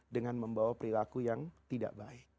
dengan membawa perilaku yang tidak baik